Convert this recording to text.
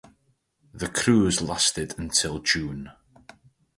This cruise lasted until June.